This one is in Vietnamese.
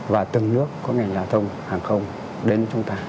và từng nước có ngành giao thông hàng không đến chúng ta